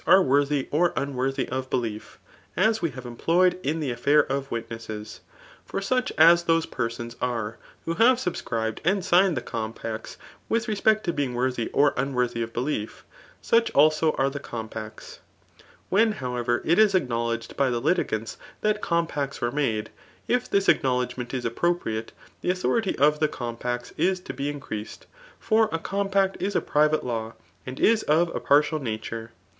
are warihf or unworthy of bdief, as we have employed m the afiair of witnesses. For such as those persons are who have subscribed and signed the compacts^ [with respect to being worthy or unworthy of belief J such also are the compacts* When, howler, it is acknow ledged by the litigants that compacts were made, if dos acknowledgement is appropriate, the authority of the compacts is to be increased ; for a compact is a private law/ and is of a partial nature.